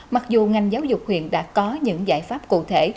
mặc dù ngành giáo dục huyện đã có những giải pháp cụ thể